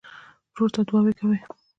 ورور ته دعاوې کوې.